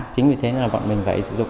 chính vì thế nên là bọn mình phải sử dụng